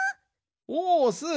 おおスー。